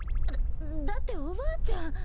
だだっておばあちゃん。